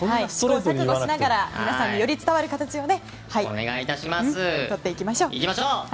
覚悟しながら皆さんにより伝わる形をとっていきましょう。